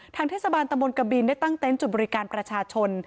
เทศบาลตะบนกบินได้ตั้งเต็นต์จุดบริการประชาชน